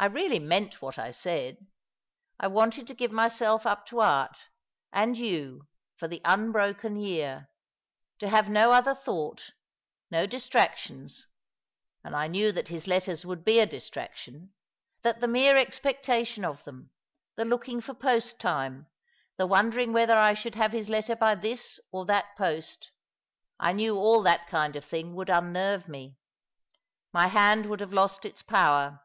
I really meant what I said. I wanted to give myself up to art, and you, for the unbroken year — to have no other thought, no distractions— and I knew that his letters would be a dis traction—that the mere expectation of them— the looking for post time — the wondering whether I should have his letter by this or that post— I knew all that kind of thing would unnerve me. IMy hand would have lost its power.